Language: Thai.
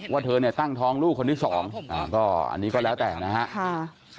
ว่าเธอตั้งท้องลูกคนที่๒อันนี้ก็แล้วแต่นะครับ